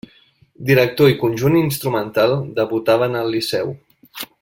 Director i conjunt instrumental debutaven al Liceu.